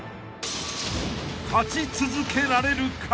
［勝ち続けられるか］